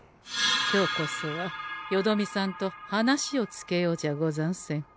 今日こそはよどみさんと話をつけようじゃござんせんか。